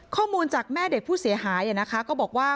ข้อมูลจากแม่เด็กผู้เสียหายก็บอกว่า